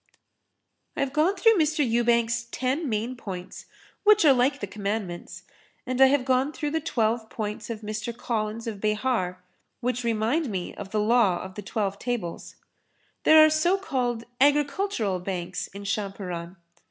I have gone through Mr. Ewbank's ten main points which are like the Commandments, and I have gone through the twelve points of Mr. Collins of Behar, which remind me of the law of the Twelve Tables. There are so called agricultural banks in Champaran.